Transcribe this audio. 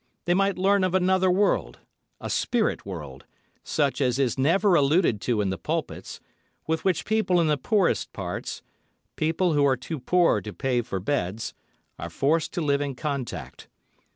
They might learn of another world, a spirit world, such as is never alluded to in the pulpits, with which people in the poorest parts—people who are too poor to pay for beds—are forced to live in contact.